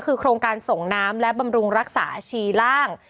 คือโครงการส่งน้ำและบำรุงรักษาชีล่าง